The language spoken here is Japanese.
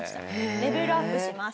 レベルアップします。